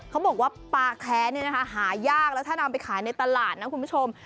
เขาบอกว่าปลาแค้หายากแล้วถ้านำไปขายในตลาดนะคุณผู้ชม